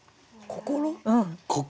「心」。